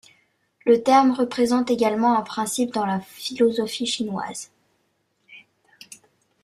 Le terme représente également un principe dans la philosophie chinoise.